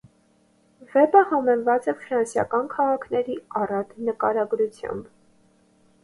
Վեպը համեմված է ֆրանսիական քաղաքների առատ նկարագրությամբ